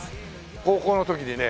高校の時にね